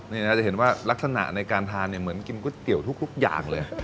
นี่นะจะเห็นว่าลักษณะในการทานเหมือนกินก๋วยเตี๋ยวทุกอย่างเลย